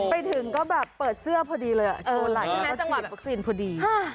ไปถึงก็แบบเปิดเสื้อพอดีเลยโชว์ไหลแล้วก็ฉีดวัคซีนพอดี